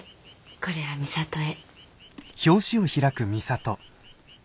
これは美里へ。